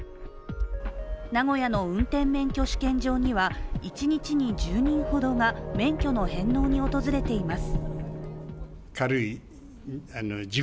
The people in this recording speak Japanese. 名古屋の運転免許試験場には１日に１０人ほどが免許の返納に訪れています。